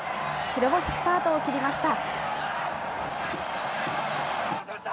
白星スタートを切りました。